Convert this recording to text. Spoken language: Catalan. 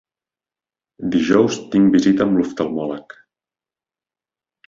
Dijous tinc visita amb l'oftalmòleg.